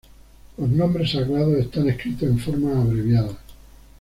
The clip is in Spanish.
Los nombres sagrados están escritos en forma abreviada.